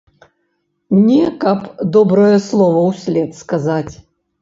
Не каб добрае слова ўслед сказаць.